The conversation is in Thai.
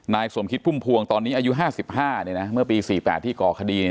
นายสมคิดพุ่มพวงตอนนี้อายุ๕๕มปี๔๘ที่ก่อกีดข้อมูลข่าวเกดี